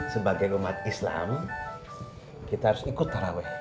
sebagai umat islam kita harus ikut taraweh